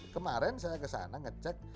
kemarin saya kesana ngecek